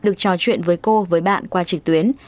được trò chuyện với cô với bạn qua trực tuyến